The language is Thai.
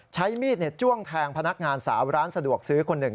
ใช้มีดจ้วงแทงพนักงานสาวร้านสะดวกซื้อคนหนึ่ง